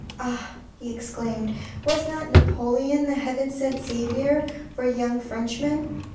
" Ah !" he exclaimed, " was not Napoleon the heaven sent saviour for young Frenchmen